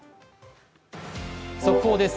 速報です。